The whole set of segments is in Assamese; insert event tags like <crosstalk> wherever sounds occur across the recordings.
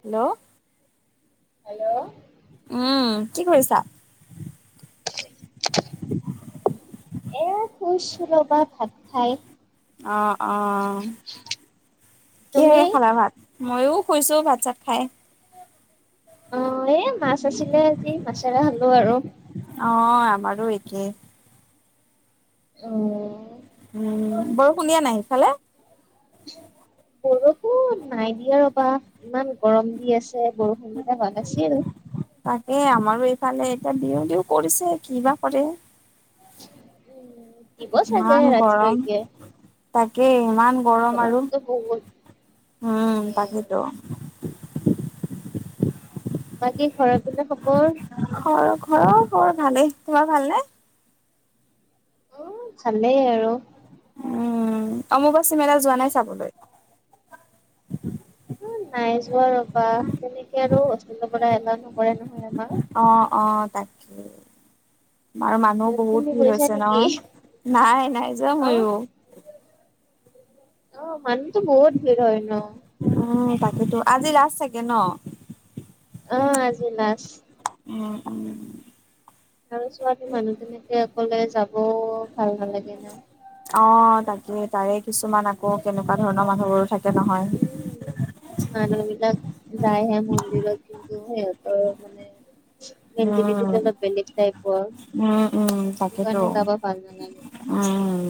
হেল্ল'। হেল্ল'। উম, কি কৰিছা?। <inaudible> শুইছো ৰবা ভাত খাই অ', অ। তুমি কিহেৰে খালা ভাত, মইও শুইছো, ভাত চাত খাই। অ', এই মাছ আছিলে আজি। মাছেৰে খালো আৰু। মাৰো একেই। অ। উম, বৰশুন দিয়া নাই সেইফালে?। বৰষু ন, নাই দিয়া ৰ'বা, ইমান গৰম দি আছে। বৰষুণ দিলে ভাল আছিল। তাকে, আমাৰো এইফালে এতিয়া দিওঁ দিও কৰিছে, কি বা কৰে। দিব চাগে ইমান গৰম। ৰাতিলৈকে তাক তাকেই ইমান গৰম আৰু, গৰমটো বহুত উম, দিয়ে আৰু তাকেইতো। বাকী, ঘৰৰ পিনে খবৰ?। ঘৰ-ঘৰৰ, বৰ ভালেই, তোমাৰ ভালনে?। উ, ভালেই আৰু। উম, অম্বুবাচী মেলা যোৱা নাই চাবলৈ?। এ নাই যোৱা ৰবা, তেনেকে আৰু হোষ্টেলৰ পৰা এলাও নকৰে নহয়, আমাক। অ', অ', তাকেই। আৰু মানুহ বহুত তুমি ভিৰ গৈছা হৈছে নেকি নহয়, নাই, নাই যোৱা অ মইও। অ', মানুহটো বহুত ভিৰ হয় ন'। উম, তাকেই তো, আজি লাষ্ট চাগে ন'?। অ', আজি লাছ। উম, উম। আৰু ছোৱালী মানুহ, তেনেকে অকলে যাব, ভাল নালাগে ন'। অ তাকে তাৰে কিছুমান, আকৌ কেনেকুৱা ধৰণৰ মানুহবোৰো থাকে। নহয়। উম, মানুহ বিলাক যাইহে মন্দিৰত কিন্তু সিহঁতৰ, মানে তি উম অলপ বেলেগ টাইপৰ। উম উম তাকেতো সেইটোকাৰণে, যাবা ভাল নালাগে। উম।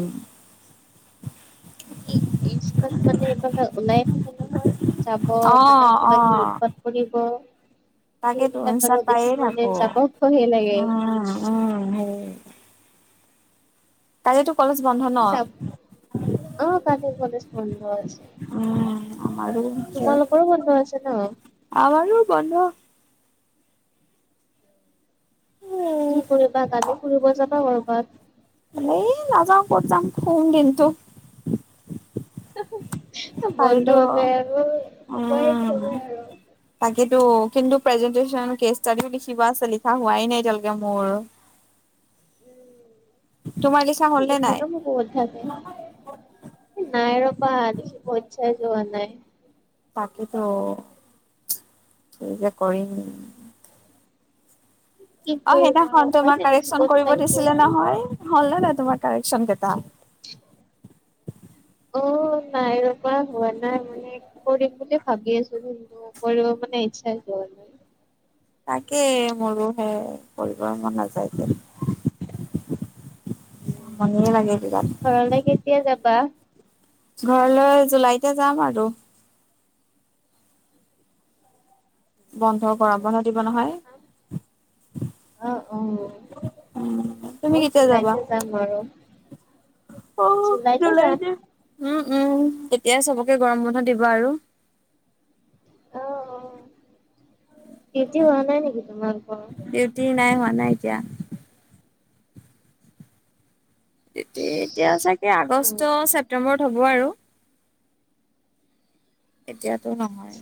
এ ইষ্টেট মানে এইবা <unintelligible> ওলাই থাকে, নহয়। যাব অ মানে, কিবা কিবি উৎপাত কৰিব। তাকেইেতো সেইবিলাক আৰু ইঞ্চালাত দেখি পায়ে মানে থাকো। যাব ভয়ে লাগে। উম, উম, হোম। <inaudible> ন? <inaudible> <unintelligible> উম, আমাৰ তোমালোকৰো বন্ধ একেই, আছে ন? আমাৰো বন্ধ। ফুৰিবা, কালি ফুৰিব যাবা কৰবাত?। এ নাযাওঁ কত যাম, শুম দিনটো। বন্ধ কালিতো হলে আৰু, সোমাইছে আৰু। কিন্তু, কিন্তু প্ৰেজেন্টেচন, কেচ ষ্টাডিও লিখিব আছে। লিখা হোৱাই নাই, এতিয়ালকে মোৰ। তোমাৰ লিখা হ'ল নে নাই? লিখাটো মোৰ বহুত ভাল পাওঁ। নাই ৰবা, লিখিব ইচ্ছা'ই যোৱা নাই। তাকে তো, কি যে কৰিম। কি অ', কৰিম আৰু সেইদিনাখন উপায় তোমাক নাই, কাৰেক্সন লিখিবতো কৰিব লাগিব দিছিলে নহয়। হল নে নাই তমাৰ কাৰেক্সন কেইটা?। <inaudible> অ। নাই এ হোৱা, হোৱা নাই মানে, কৰিম বুলি ভাবি আছো। কিন্তু, কৰিব মানে ইচ্ছাই হোৱাই নাই। <unintelligible> তাকে মোৰোহে, কৰিব মন নাযায় যে আমনিয়ে লাগে ঘৰলে বিৰাট কেতিয়া যাবা ঘৰলৈ জুলাইতে যাম আৰু। বন্ধ, গৰমবন্ধ দিব নহয়। আ, অ', উম তুমি মই জুলাইতে যাম আৰু। অ', জুলাইতে যাম জুুলাইতে উম। উম, তেতিয়াই চবকে গৰম বন্ধ দিবা আৰু। অ অ ডিউটি হোৱা নাই নেকি তোমালোকৰ ডিউটি নাই, হোৱা নাই এতিয়া। এতি-এতিয়া চাগে অ আগষ্ট, ছেপ্তেম্বৰত হ'ব আৰু। এতিয়াতো নহয়।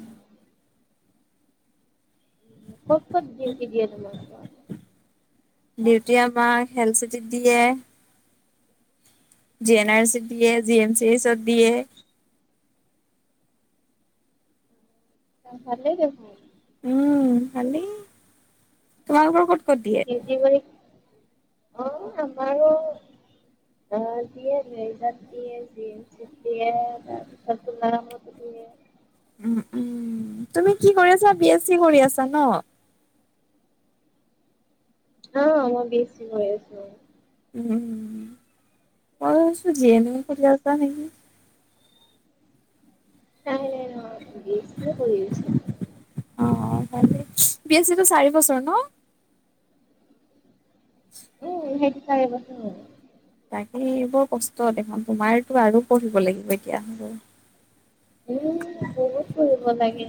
ক'ত-ক'ত ডিউতি দিয়ে তোমালোকৰ। ডিউটি আমাক হেলথ চিটিত দিয়ে। জি এন আৰ চিত দিয়ে, জি এম চি এইচত দিয়ে। অ', ভালেই দেখোন। উম, খালি। তোমালোকৰ ক'ত দিয়ে অ', আমাৰো অ', দিয়ে <unintelligible> জি এম চি ত দিয়ে তাৰপিছত তোমাৰ <inaudible> উম, উম, তুমি কি কৰি আছা বি এছ চি কৰি আছা ন। অ', মই বি এছ চি কৰি আছো। উম, মই ভাবিছোঁ জি এ নেম কৰি আছা নেকি। নাই-নাই নহয় বি এছ চি য়ে কৰি আছো। অ', বি এছ চি টো চাৰি বছৰ ন?। উম, সেইটো চাৰিবছৰ। তাকেই বৰ কষ্ট দেখোন তোমাৰতো আৰু পঢ়িব লাগিব এতিয়া হ'লে। এ, বহুত পঢ়িব লাগে।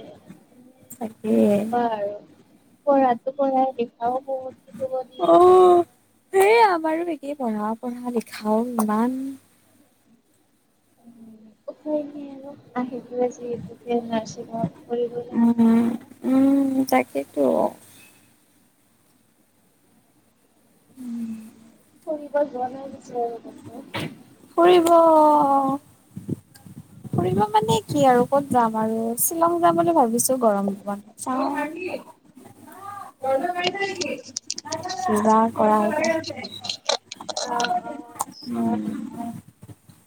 তাকেই। নক'বা আৰু। পঢ়াতো পঢ়াই লিখাও বহুত লিখিব দিয়ে। হে আমাৰো একেই পঢ়া-পঢ়া লিখাও ইমান। <unintelligible> আহিল <unintelligible> নাৰ্চিংত কৰিবই লাগিব এতিয়া। অ। উম। ফুৰিব যোৱা নাই নেকি বন্ধত। ফুৰিব ফুৰিব মানে কি আৰু কত যাম আৰু শ্বিলং যাম বুলি ভাবিছোঁ গৰম <inaudible> অ' চাও শাৰ্লি অ', <inaudible> <inaudible> পূজা কৰা <inaudible> <inaudible> অ', আচ্ছা।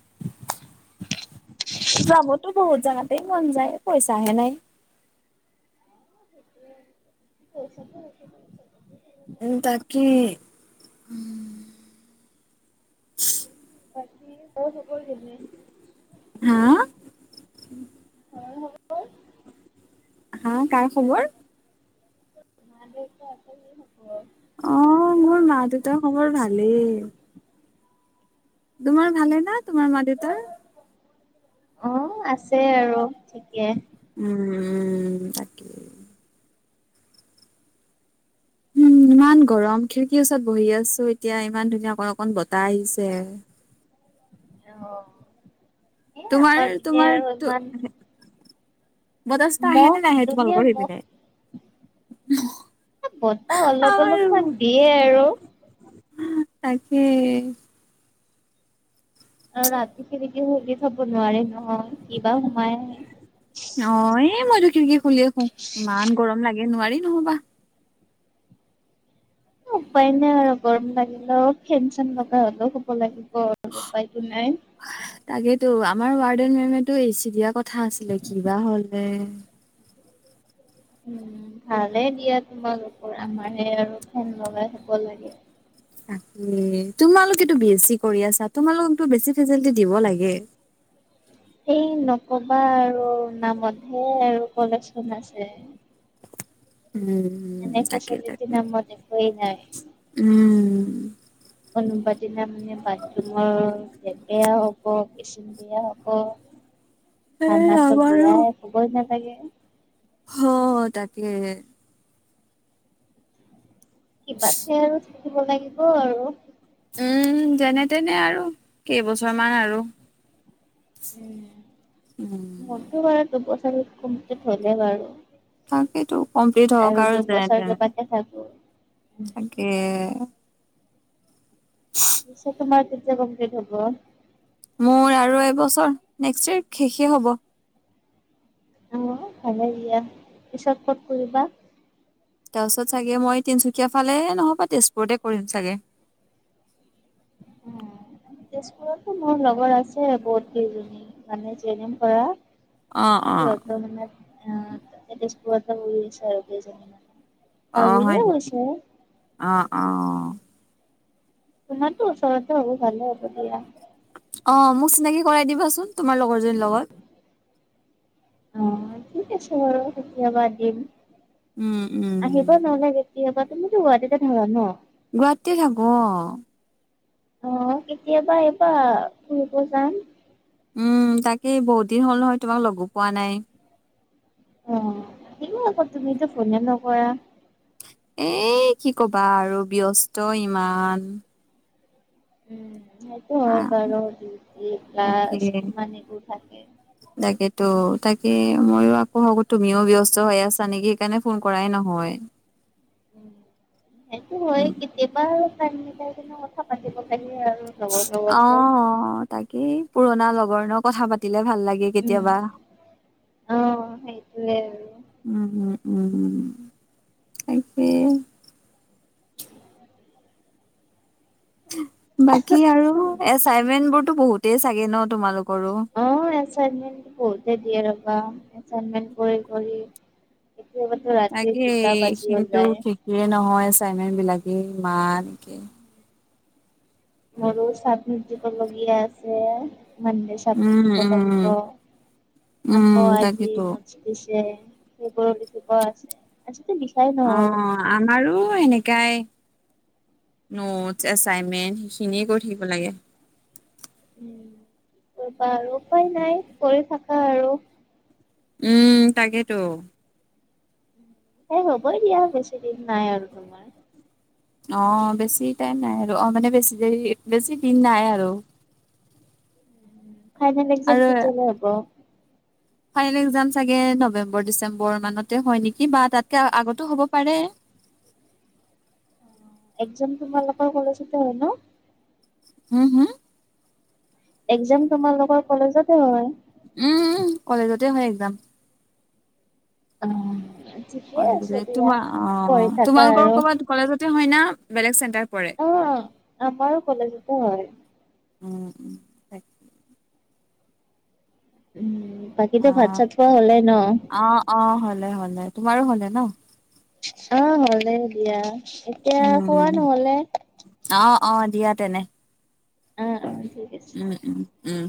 <inaudible> <unintelligible> যাবতো বহুত জাগাতেই মন যায়, পইচাহে নাই। <unintelligible> উম, তাকে। <unintelligible> হা। <inaudible> হা কাৰ খবৰ। <inaudible> অ', মোৰ মা দেউতাৰ খবৰ ভালেই। তোমাৰ ভালে না, তোমাৰ মা দেউতাৰ। অ', আছে আৰু ঠিকে। উম উ তাকেই উম, <unintelligible> ইমান গৰম খিৰিকীৰ ওচৰত বহি আছো এতিয়া ইমান ধুনীয়া অকন অকন বতাহ আহিছে অ এ তোমাৰ আমাৰ পিনে তোমাৰ আৰু তো- ইমান বতাহ চতাহ আহে নে মহ নাহে তোমালোকৰ দুনীয়াৰ সেইপিনে? মহ বতাহ অলপ আমাৰ অলপমান দিয়ে আৰু তাকে আৰু ৰাতি খিৰিকী খুলি থব নোৱাৰি ন কিবা সোমাই আহে অ এ মইতো খিৰিকী খুলিয়ে শুও ইমান গৰম লাগে নোৱাৰি নহবা উপায় নাই আৰু গৰম লাগিলেও ফেন চেন লগাই হলেও শুব লাগিব আৰু উপায়টো নাই তাকেইতো আমাৰ ৱাৰ্ডেন মেমেটো এ চি দিয়া কথা আছিলে কিবা হলে উম ভালে দিয়া তোমালোকৰ আমাৰ হে আৰু ফেন লগাই শুব লাগে। উম তোমালোকেতো বিএছচি কৰি আছা তোমালোকতো বেছি ফেচিলিটী দিব লাগে। এই নকবা আৰু নামতহে আৰু কলেজখন আছে। মানে উম, তাকে ফেচিলেটি তাকে নামত একোই। উম। কোনোবা দিনা মানে বাথৰুমৰ লেতেৰা হ'ব কিচ্চেন বেয়া হ'ব। এ ঠাণ্ডাটো আমাৰো বেয়ায়েই ক'বই নালগে। হো তাকেহে। কিবাকে আৰু থাকিব লাগিব আৰু উম যেনে তেনে আৰু কেইবছৰ মান আৰু উম উম। মোৰতো বাৰু দুবছৰ কমপ্লিট হলে বাৰু তাকেইটো কমপ্লিট হওঁক আৰু দুবছৰ যেনেতেনে কেইবাকে থাকো। তাকে নিশ্চয় তোমাৰ তেতিয়া কমপ্লিট হ'ব মোৰ আৰু এবছৰ নেক্সট ইয়েৰ শেষে হ'ব উম ভালে দিয়া পিছত ক'ত কৰিবা তাৰপিছত চাগে মই তিনচুকীয়া ফালে নহবা তেজপুৰতে কৰিম চাগে <inaudible> তেজপুৰতো মোৰ লগৰ আছে বহুত কেইজনী মানে জেএনেম কৰা। অ অ। অ তেজপুৰতে পঢ়ি আছে আৰু কেইজনিমান। অ হয় নেকি অ অহ। তোমাৰতো ওচৰতে হ'ব ভালে হ'ব দিয়া। অ মোক চিনাকি কৰাই দিবাচোন তোমাৰ লগৰজনীৰ লগত। অ ঠিক আছে বাৰু কেতিয়াবা দিম উম, আহিব উম, নহ'লে কেতিয়াবা। তুমিটো গুৱাহাটীতে থাকা নহ। গুৱাহাটী থাকোঁ অ। অ কেতিয়াবা এইবাৰ ফুৰিব যাম। উম তাকেই বহুত দিন হ'ল নহয় তোমাক লগো পোৱা নাই। অ আহিব আকৌ তুমিতো ফোনে নকৰা। এ কি ক'বা আৰু ব্যস্ত ইমান। উম। সেইটো আ হয় বাৰু ডিউটি তাকে ক্লাছ কিমান এইবোৰ থাকে। তাকেতো তাকে মইও আকৌ ভাবোঁ তুমিও ব্যস্ত হৈ আছা নেকি সেইকাৰণে ফোন কৰাই নহয়। সেইটো হয় কেতিয়াবা টাইম মিলাই কিনে কথা পাতিব লাগে আৰু। লগৰ অ লগতো অ তাকেই পুৰণা লগৰ নহ কথা পাতি। লে ভাল লাগে কেতিয়াবা অ সেইটোৱে আৰু <inaudible> উম উম। উম উম তাকে। বাকী আৰু এচাইনমেন্ট বোৰতো বহুতেই চাগে নহ তোমালোক। অ এচাইনমেন্ট বহুতে দিয়ে ৰবা এচাইনমেন্ট কৰি কৰি। কেতিয়াবাতো ৰাতি তাকে দুটা বাজিও কিন্তু যায় ঠিকে নহয়। এচাইনমেণ্ট বিলাকে ইমানকে। মোৰো চাক <unintelligible> লগীয়া আছে। এচাইনমেণ্ট চাবমিট উম দিব লাগিব উম উম আকৌ আজি। তাকেতো আছে সেইবোৰ লিখিব আছে। লিখাই অ নহ'ল আমাৰো সেনেকাই। নোটছ এচাইনমেন্ট সেইখিনিয়ে কৰি থাকিব লাগে। উম উপায় নাই কৰি থাক। উম তাকেইতো। এই হ'বই দিয়া বেছি দিন নাই আৰু তোমাৰ। অ বেছি টাইম নাই আৰু অ মানে বেছি দেৰি বেছি দিন নাই আৰু। <inaudible> ফাইনেল এক্সাম আৰু কেতিয়ালে হ'ব। ফাইনেল এক্জাম চাগে নৱেম্বৰ ডিচেম্বৰ মানতে হয় নেকি বা তাতকে আগতো হ'ব পাৰে চি এক্সাম তোমালোকৰ কলজটে হব? উম হম একজাম তোমালোকৰ কলেজতে হয় উম উ কলেজতে হয় এক্সাম অ। ঠিকে আছে <unintelligible> দিয়া। তোমাৰ অ পঢ়ি থাকা তোমালোকৰ আৰু কৰবাত কলেজতে হয় না বেলেগ চেণ্টাৰ পৰে। অ আমাৰো কলেজতে হয়। উম তাক। উ বাকীটো ভাত অ'। চাত খোৱা হ'লে নহ। অ', অ', হ'লে তোমাৰো হ'লে নহ। অ হ'লে দিয়া এতিয়া খোৱা উম, নহলে অ', অ দিয়া তেনে অ', অ', ঠিক আছে। উম উ উম